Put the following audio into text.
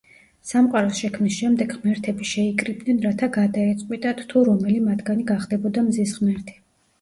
სამყაროს შექმნის შემდეგ ღმერთები შეიკრიბნენ, რათა გადაეწყვიტათ, თუ რომელი მათგანი გახდებოდა მზის ღმერთი.